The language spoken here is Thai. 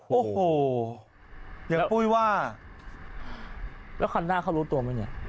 โอ้โหอย่างปุ้ยว่าแล้วคันหน้าเขารู้ตัวไหมเนี่ย